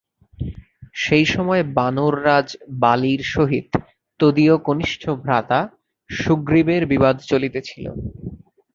সেই সময় বানর-রাজ বালীর সহিত তদীয় কনিষ্ঠ ভ্রাতা সুগ্রীবের বিবাদ চলিতেছিল।